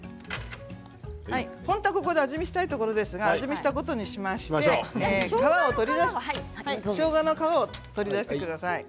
本当はここで味見をしたいところですが味見をしたことにしてしょうがの皮を取り出してください。